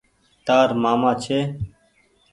تآر مآمي ڇي۔